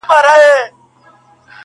کلي کي سړه فضا ده ډېر